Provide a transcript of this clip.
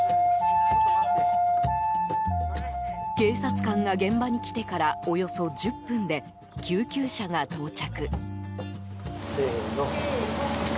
警察官が現場に来てからおよそ１０分で救急車が到着。